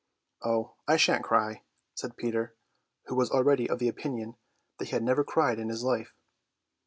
"Oh, I shan't cry," said Peter, who was already of the opinion that he had never cried in his life.